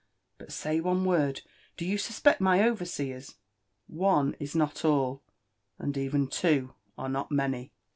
— But say one ^ord, — do you suspect my overseers 7" " One is not all — and even two are not many.